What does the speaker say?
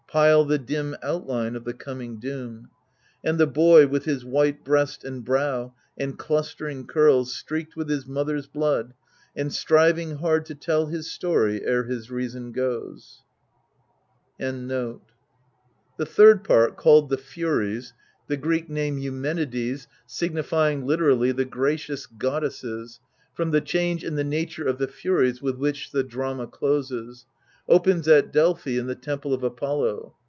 Pile the dim outline of the coming doom. And the boy With his white breast and brow, and clustering curls, Streaked with his mother's blood, and striving hard To tell his story ere his reason goes." PREFACE xvii •*Eumenides" signifying literally "The Gracious Goddesses," from the change in the nature of the Furies with which the drama closes), opens at Delphi in the temple of Apollo.